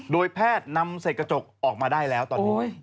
โดยแพทย์นำเสร็จกระจกออกมาได้แล้วตอนนี้